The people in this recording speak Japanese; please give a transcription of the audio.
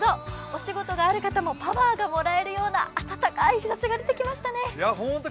お仕事がある方もパワーがもらえるような暖かい日ざしが出てきましたね。